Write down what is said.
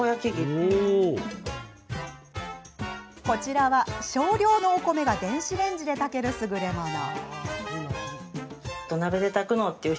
こちらは、少量のお米が電子レンジで炊けるすぐれもの。